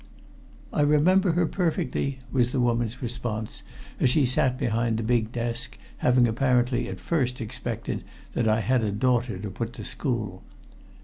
"I remember her perfectly," was the woman's response as she sat behind the big desk, having apparently at first expected that I had a daughter to put to school.